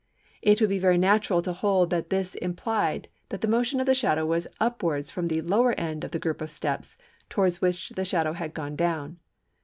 It would be very natural to hold that this implied that the motion of the shadow was upwards from the lower end of the group of steps towards which the shadow had gone down.